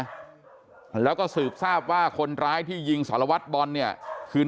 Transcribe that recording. ดุเมืองค่ะน่ะแล้วก็สืบทราบว่าคนร้ายที่ยิงสารวัตย์บอลนี่คือ